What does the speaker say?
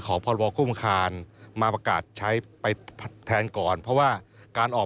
ของปรบคุมอาคารมาประกาศไว้แทนก่อนเพราะว่าการออก